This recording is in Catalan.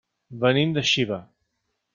Venim de Xiva.